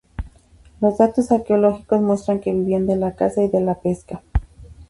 Los datos arqueológicos muestran que vivían de la caza y la pesca.